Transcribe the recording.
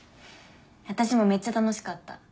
私もめっちゃ楽しかった。